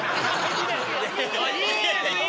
いいです！